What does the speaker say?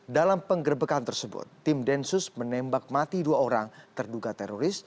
dalam penggerbekan tersebut tim densus menembak mati dua orang terduga teroris